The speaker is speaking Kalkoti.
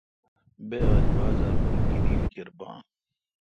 بہ آج بازار پر گینل کیر بھان۔